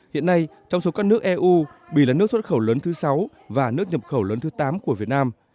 hiện nay trong số các nước eu bỉ là nước xuất khẩu lớn thứ sáu và nước nhập khẩu lớn thứ tám của việt nam